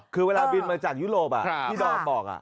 คือเวลาบินมาจากยุโรปที่ดอมบอก